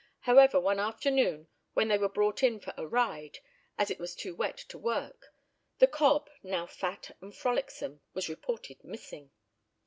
However, one afternoon, when they were brought in for a ride, as it was too wet to work, the cob, now fat and frolicsome, was reported missing.